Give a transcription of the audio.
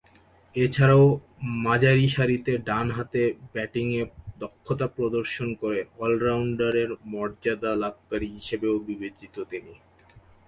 এছাড়াও মাঝারিসারিতে ডানহাতে ব্যাটিংয়ে দক্ষতা প্রদর্শন করে অল-রাউন্ডারের মর্যাদা লাভকারী হিসেবেও বিবেচিত তিনি।